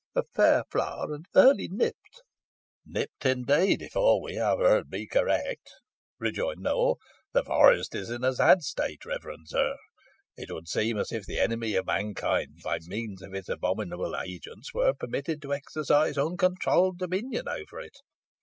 A fair flower, and early nipped." "Nipped, indeed, if all we have heard be correct," rejoined Newell. "The forest is in a sad state, reverend sir. It would seem as if the enemy of mankind, by means of his abominable agents, were permitted to exercise uncontrolled dominion over it.